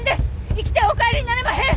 生きてはお帰りになれまへん！